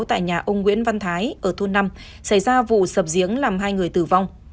tại nhà ông nguyễn văn thái ở thôn năm xảy ra vụ sập giếng làm hai người tử vong